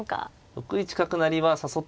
６一角成は誘ってますね。